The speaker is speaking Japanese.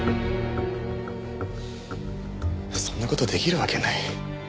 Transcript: そんな事出来るわけない。